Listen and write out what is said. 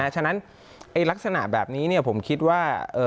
ฉะนั้นลักษณะแบบนี้ผมคิดว่า